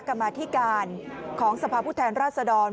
กรรมาธิการของสภรัศดร